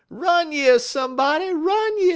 Run yer, somebody, run yer!